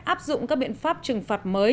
áp dụng các biện pháp trừng phạt mới